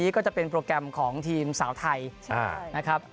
ก็จะเป็นโปรแกรมของทีมสาวไทยนะครับ